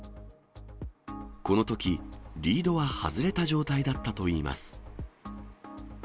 このとき、リードは外れた状態だったといいます。